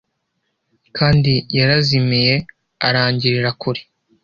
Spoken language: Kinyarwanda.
Kandi yarazimiye arangirira kure.